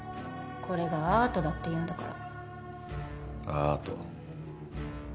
これがアートだっていうんだからアート？